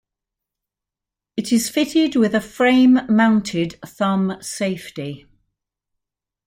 It is fitted with a frame-mounted thumb safety.